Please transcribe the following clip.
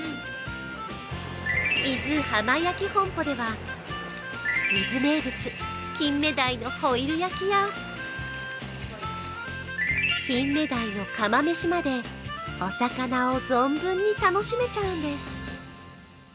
伊豆浜焼本舗では伊豆名物・金目鯛のホイル焼きや金目鯛の釜飯までお魚を存分に楽しめちゃうんです。